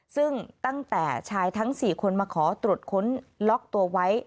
ซึ่งตั้งแต่ชายทั้ง๔คนมาขอตรวจค้นล็อกตัวไว้